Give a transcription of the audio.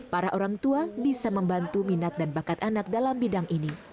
para orang tua bisa membantu minat dan bakat anak dalam bidang ini